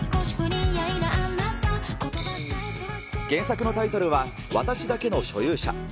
原作のタイトルは、私だけの所有者。